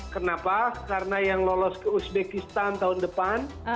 kenapa karena yang lolos ke uzbekistan tahun depan